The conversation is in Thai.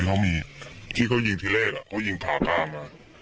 เขามีที่เขายิงทีแรกเขายิงผ่าตามา